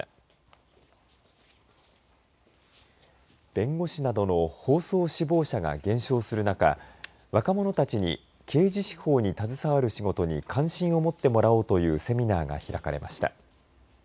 弁護士などの法曹志望者が減少する中若者たちに刑事司法に携わる仕事に関心を持ってもらおうというセミナーが開かれました。